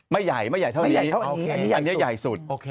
ไม่ใหญ่เท่านี้อันนี้ใหญ่สุด